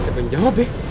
siapa yang jawab ya